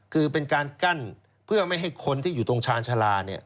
คือเป็นการกั้นเพื่อไม่ให้คนที่อยู่ตรงชาญชาลาเนี่ย